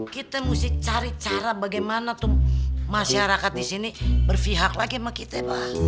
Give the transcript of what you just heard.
kita mesti cari cara bagaimana tuh masyarakat disini berpihak lagi sama kita pak